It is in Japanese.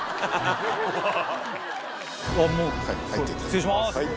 失礼します！